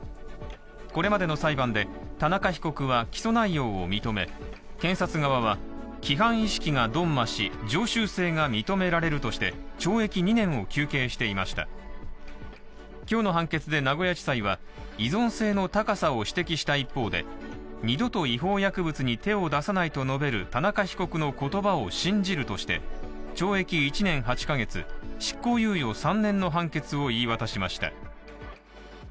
これまでの裁判で田中被告は起訴内容を認め、検察側は、規範意識が鈍麻し、常習性が認められるとして懲役２年を求刑していました今日の判決で名古屋地裁は、依存性の高さを指摘した一方で、二度と違法薬物に手を出さないと述べる田中被告の言葉を信じるとして、懲役１年８ヶ月、執行猶予３年の判決を言い渡しました。